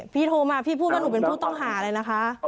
โทรมาพี่พูดว่าหนูเป็นผู้ต้องหาเลยนะคะ